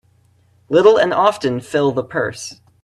Little and often fill the purse.